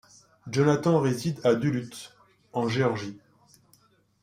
Jonathan réside à Duluth, en Géorgie.